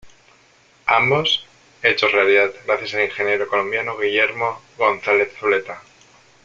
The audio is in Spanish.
Ambos, hechos realidad gracias al ingeniero colombiano Guillermo González Zuleta.